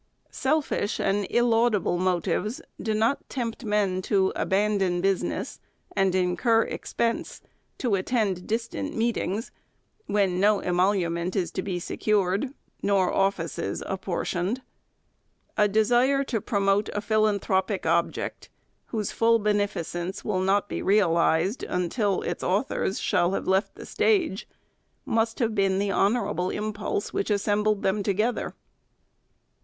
Selfish and illaudable motives do not tempt men to abandon business, and incur expense, VOL. i. 26 386 THE SECEET ART'S to attend distant meetings, when no emolument is to be secured, nor offices apportioned. A desire to promote a philanthropic object, whose full beneficence will not be realized until its authors shall have left the stage, must have been the honorable impulse which assembled them together.